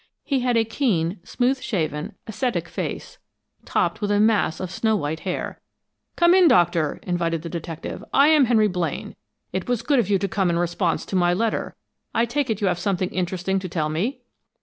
He had a keen, smooth shaven, ascetic face, topped with a mass of snow white hair. "Come in, Doctor," invited the detective. "I am Henry Blaine. It was good of you to come in response to my letter. I take it that you have something interesting to tell me."